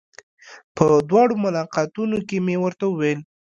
په دواړو ملاقاتونو کې مې ورته وويل.